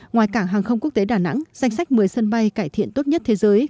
ngoài cảng hàng không quốc tế đà nẵng danh sách một mươi sân bay cải thiện tốt nhất thế giới